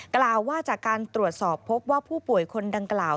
กล่าวว่าจากการตรวจสอบพบว่าผู้ป่วยคนดังกล่าว